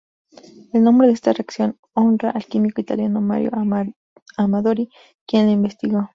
El nombre de esta reacción honra al químico italiano Mario Amadori, quien la investigó.